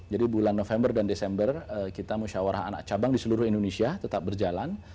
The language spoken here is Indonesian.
jadi bulan november dan desember kita musyawarah anak cabang di seluruh indonesia tetap berjalan